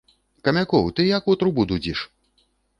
Камякоў, ты як у трубу дудзіш?